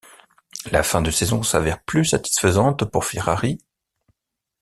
La fin de saison s'avère plus satisfaisante pour Ferrari.